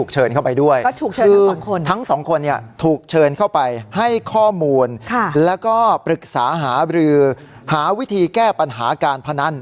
เชิญเข้าไปให้ข้อมูลแล้วก็ปรึกษาหาหรือหาวิธีแก้ปัญหาการพนัน